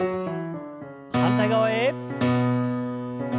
反対側へ。